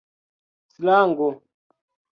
slango